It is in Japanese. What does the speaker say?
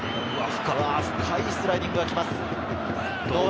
深いスライディングが来ます堂安。